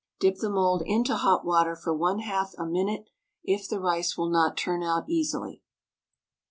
Dip the mould into hot water for 1/2 a minute, if the rice will not turn out easily.